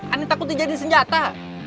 ane takut dijadiin senjata